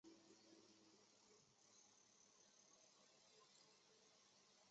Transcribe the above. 星空永恒的守护我们